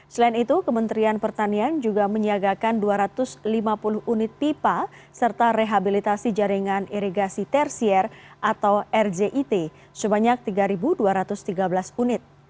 selain itu kementerian pertanian juga menyiagakan dua ratus lima puluh unit pipa serta rehabilitasi jaringan irigasi tersier atau rzit sebanyak tiga dua ratus tiga belas unit